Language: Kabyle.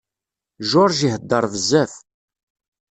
George ihedder bezzaf